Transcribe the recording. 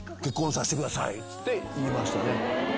っつって言いましたね。